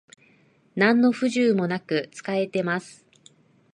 なんの不自由もなく使えてます